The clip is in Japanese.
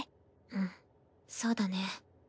うんそうだね。